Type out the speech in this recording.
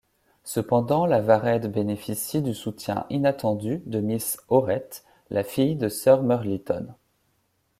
Cependant Lavarède bénéficie du soutien inattendu de Miss Aurett, la fille de sir Murlyton.